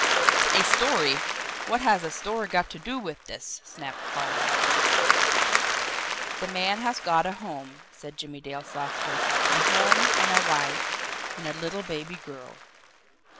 "A story! What has a story got to do with this?" snapped Carling. "The man has got a home," said Jimmie Dale softly. "A home, and a wife and a little baby girl."